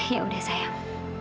ya udah sayang